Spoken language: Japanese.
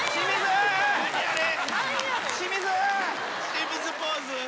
清水ポーズ。